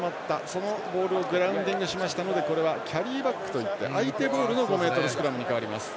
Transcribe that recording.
そのボールをグラウンディングしましたのでこれはキャリーバックといって相手ボールの５ｍスクラムに変わります。